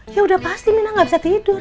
ya udah pasti mina gak bisa tidur